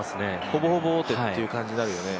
ほぼほぼ王手という感じになるよね。